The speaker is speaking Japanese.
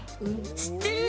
知ってる！